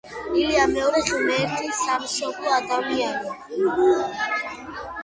ილია მეორე: ღმერთი, სამშობლო, ადამიანი.